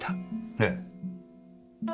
ええ。